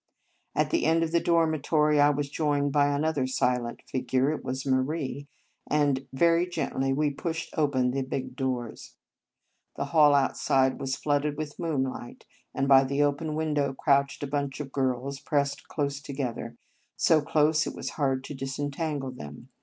At the end of the dor mitory I was joined by another silent figure, it was Marie, and very gently we pushed open the big doors. The hall outside was flooded with moonlight, and by the open window crouched a bunch of girls, pressed close together, so close it was hard to disentangle them.